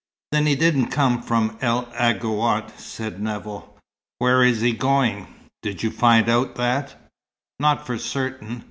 "Then he didn't come from El Aghouat," said Nevill. "Where is he going? Did you find out that?" "Not for certain.